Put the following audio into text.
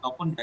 dari ibu mega